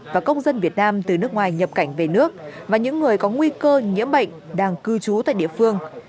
và công dân việt nam từ nước ngoài nhập cảnh về nước và những người có nguy cơ nhiễm bệnh đang cư trú tại địa phương